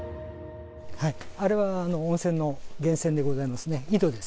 あれは温泉の源泉でございますね。